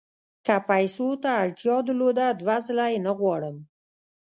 که پیسو ته اړتیا درلوده دوه ځله یې نه غواړم.